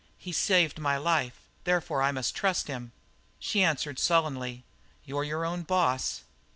He saved my life; therefore I must trust him." She answered sullenly: "You're your own boss."